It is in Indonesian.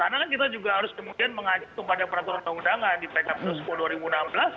karena kita juga harus kemudian mengajak kepada peraturan pengundangan di pkpu sepuluh tahun dua ribu enam belas